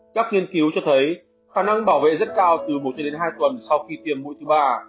chắc nghiên cứu cho thấy khả năng bảo vệ rất cao từ một hai tuần sau khi tiêm mũi thứ ba